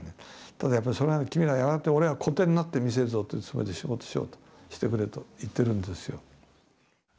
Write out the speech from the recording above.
ただやっぱりそれは君らやがて俺は古典になってみせるぞというつもりで仕事しようしてくれと言ってるんですよ。